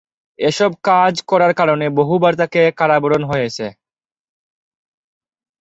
এসব কাজ করার কারণে বহুবার তাকে কারাবরণ হয়েছে।